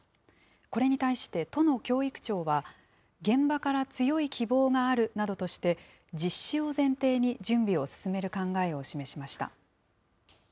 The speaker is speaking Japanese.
これに対して都の教育庁は、現場から強い希望があるなどとして、実施を前提に準備を進める考えを示しました。